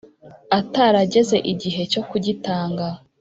atarageza igihe cyo kugitanga.